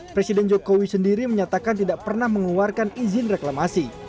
presiden jokowi sendiri menyatakan tidak pernah mengeluarkan izin reklamasi